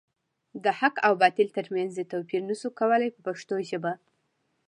د حق او باطل تر منځ یې توپیر نشو کولای په پښتو ژبه.